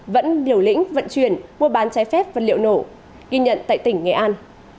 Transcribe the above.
vẫn liều lĩnh vận chuyển mua bán trái phép vật liệu nổ ghi nhận tại tỉnh nghệ an